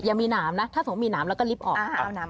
อย่ามีหนามนะถ้าสมมุติมีหนามแล้วก็ลิฟต์ออกน้ำ